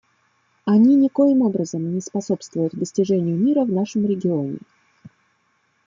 Они никоим образом не способствуют достижению мира в нашем регионе.